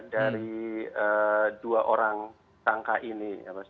dari dua orang tangka ini